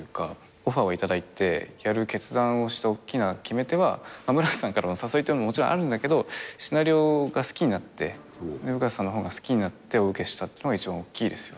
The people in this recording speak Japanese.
オファーをいただいてやる決断をした大きな決め手は村瀬さんからのお誘いっていうのももちろんあるんだけどシナリオが好きになって生方さんの本が好きになってお受けしたっていうのが一番大きいですよね。